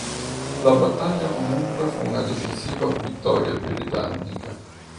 La battaglia comunque fu una decisiva vittoria britannica.